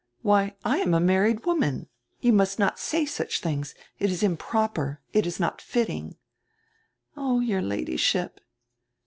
Why, I am a married woman. You must not say such diings; it is improper, it is not fitting." "Oh, your Ladyship."